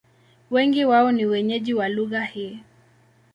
Wengi wao ni wenyeji wa lugha hii.